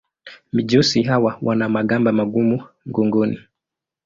Mijusi hawa wana magamba magumu mgongoni.